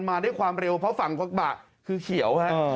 มาด้วยความเร็วเพราะฝั่งฝั่งบะคือเขียวครับ